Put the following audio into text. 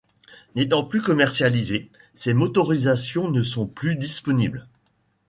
N'étant plus commercialisées, ces motorisations ne sont plus disponibles.